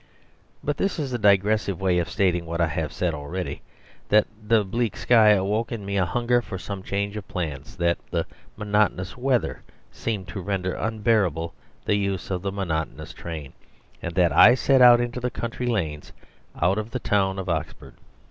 But this is a digressive way of stating what I have said already that the bleak sky awoke in me a hunger for some change of plans, that the monotonous weather seemed to render unbearable the use of the monotonous train, and that I set out into the country lanes, out of the town of Oxford.